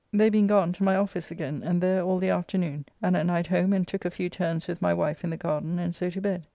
They being gone, to my office again, and there all the afternoon, and at night home and took a few turns with my wife in the garden and so to bed.